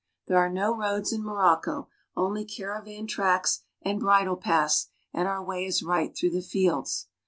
There ire no roads in Morocco, only caravan tracks and bridle ^aths, and our way is right through the fields.